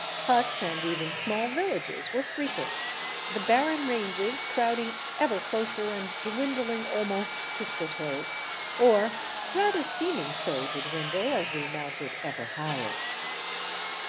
Huts and even small villages were frequent, the barren ranges crowding ever closer and dwindling almost to foot hills, or rather seeming so to dwindle as we mounted ever higher.